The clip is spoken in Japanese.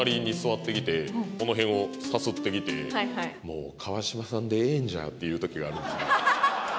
この辺をさすってきて「もう川島さんでええんじゃ」って言う時があるんですよ